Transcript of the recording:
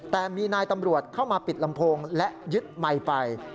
แต่มีนายตำรวจเข้ามาปิดลำโพงและยึดไมค์ไฟ